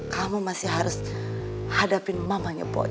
kamu masih harus hadapin mamanya poi